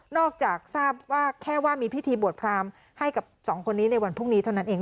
อกจากทราบว่าแค่ว่ามีพิธีบวชพรามให้กับสองคนนี้ในวันพรุ่งนี้เท่านั้นเอง